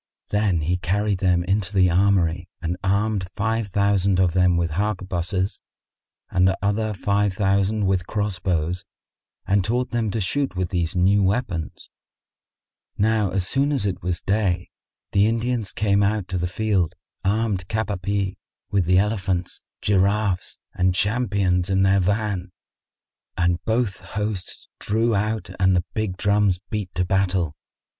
Then he carried them into the armoury and armed five thousand of them with harquebuses and other five thousand with cross bows and taught them to shoot with these new weapons.[FN#61] Now as soon as it was day, the Indians came out to the field, armed cap à pie, with the elephants, giraffes and champions in their van; whereupon Gharib and his men mounted and both hosts drew out and the big drums beat to battle.